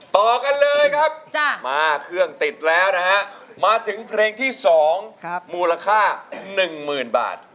ต่อกันเลยครับมาเครื่องติดแล้วนะฮะมาถึงเพลงที่๒มูลค่า๑๐๐๐บาท